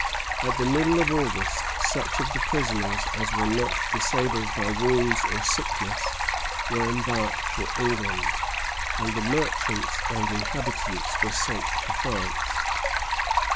At the middle of August such of the prisoners as were not disabled by wounds or sickness were embarked for England, and the merchants and inhabitants were sent to France.